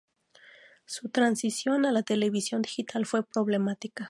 Su transición a la televisión digital fue problemática.